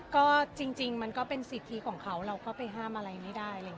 ก็จริงมันก็เป็นสิทธิของเขาเราก็ไปห้ามอะไรนี่ได้แหละค่ะ